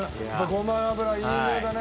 ごま油いいにおいだね。